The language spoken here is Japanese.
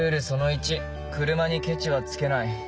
その１車にケチはつけない。